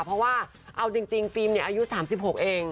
เพราะว่าเอาจริงฟิล์มอายุ๓๖เอง